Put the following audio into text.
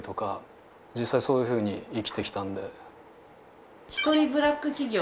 実際そういうふうに生きてきたんで。